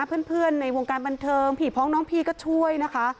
เพื่อนในวงการบันเทิงผีพ้องน้องพี่ก็ช่วยนะคะ